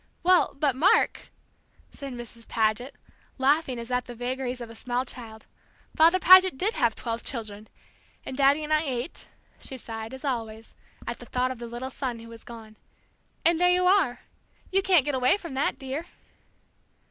"Well, but, Mark " said Mrs. Paget, laughing as at the vagaries of a small child, "Father Paget did have twelve children and Daddy and I eight " she sighed, as always, at the thought of the little son who was gone, "and there you are! You can't get away from that, dear."